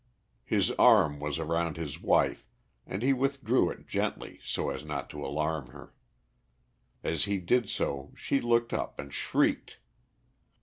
His arm was around his wife, and he withdrew it gently so as not to alarm her. As he did so she looked up and shrieked.